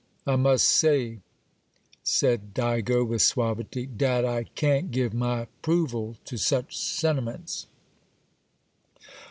'I must say,' said Digo, with suavity, 'dat I can't give my 'proval to such sentiments.